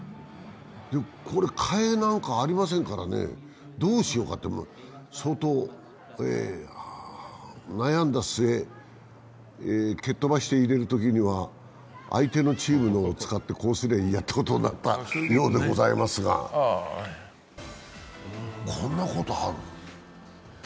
これ、替えなんかありませんからねどうしようかって相当、悩んだ末、蹴っ飛ばして入れるときには相手のチームのを使ってこうすりゃいいやということになったようですが、こんなことある？